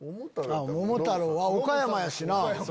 桃太郎岡山やしな。